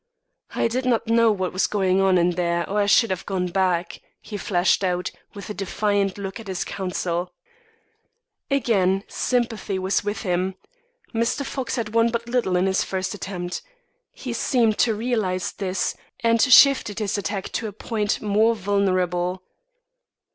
"I did not know what was going on there or I should have gone back," he flashed out, with a defiant look at his counsel. Again sympathy was with him. Mr. Fox had won but little in this first attempt. He seemed to realise this, and shifted his attack to a point more vulnerable.